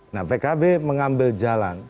nah pkb mengambil jalan